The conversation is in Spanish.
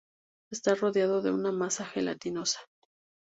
Está rodeado de una masa gelatinosa.